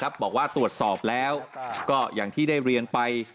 บอกว่าตรวจสอบแล้วก็อย่างที่ได้เรียนไป